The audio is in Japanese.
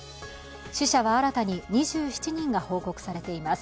死者は新たに２７人が報告されています。